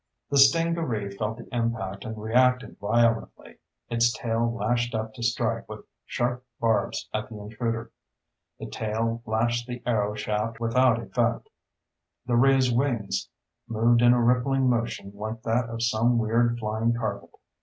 The stingaree felt the impact and reacted violently. Its tail lashed up to strike with sharp barbs at the intruder. The tail lashed the arrow shaft without effect. The ray's wings moved in a rippling motion like that of some weird flying carpet.